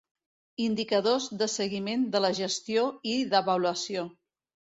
Indicadors de seguiment de la gestió i d'avaluació.